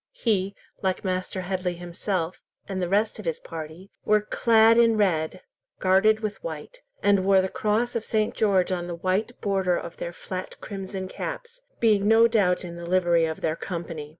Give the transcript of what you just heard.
He, like Master Headley himself, and the rest of his party were clad in red, guarded with white, and wore the cross of St. George on the white border of their flat crimson caps, being no doubt in the livery of their Company.